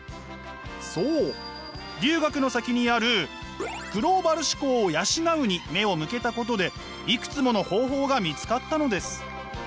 そう留学の先にある「グローバル思考を養う」に目を向けたことでいくつもの方法が見つかったのです。